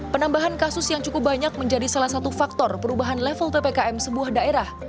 penambahan kasus yang cukup banyak menjadi salah satu faktor perubahan level ppkm sebuah daerah